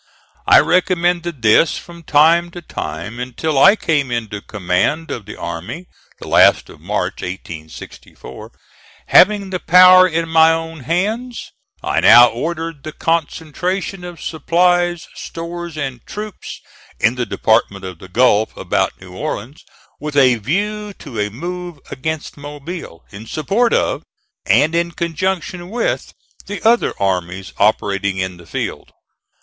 I recommended this from time to time until I came into command of the army, the last of March 1864. Having the power in my own hands, I now ordered the concentration of supplies, stores and troops, in the department of the Gulf about New Orleans, with a view to a move against Mobile, in support of, and in conjunction with, the other armies operating in the field.